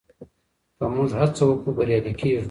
که موږ هڅه وکړو بریالي کېږو.